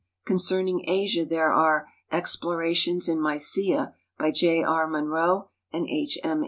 Concerning Asia, there are " Explora tions in Mysia," by J. A. R. Munro and H. M.